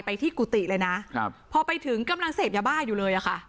ที่กุฏิเลยนะครับพอไปถึงกำลังเสพยาบ้าอยู่เลยอะค่ะ